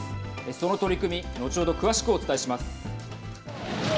その取り組み後ほど詳しくお伝えします。